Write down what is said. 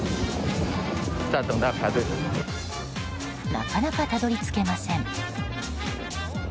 なかなかたどり着けません。